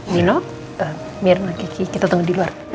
minum mirna kiki kita tunggu di luar